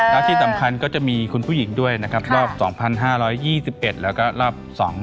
แล้วที่สำคัญก็จะมีคุณผู้หญิงด้วยนะครับรอบ๒๕๒๑แล้วก็รอบ๒๐